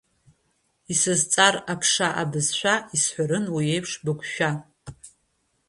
Исызҵар аԥша абызшәа, исҳәарын уи еиԥш быгәшәа.